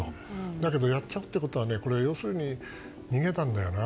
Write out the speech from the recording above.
だけどやっちゃったことは要するに逃げたんだよな。